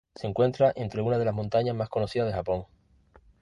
Se encuentra entre una de las montañas más conocidas de Japón.